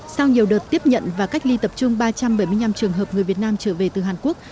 sau nhiều đợt tiếp nhận và cách ly tập trung ba trăm bảy mươi năm trường hợp người việt nam trở về từ hàn quốc